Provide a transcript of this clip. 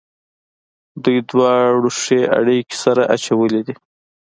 دوی دواړو ښې اړېکې سره اچولې دي.